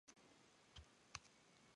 这两座塔设计成可以抵御核爆。